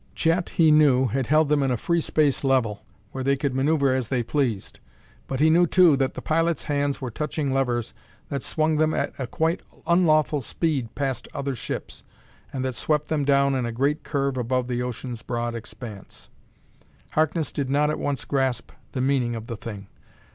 Chet, he knew, had held them in a free space level, where they could maneuver as they pleased, but he knew, too, that the pilot's hands were touching levers that swung them at a quite unlawful speed past other ships, and that swept them down in a great curve above the ocean's broad expanse. Harkness did not at once grasp the meaning of the thing.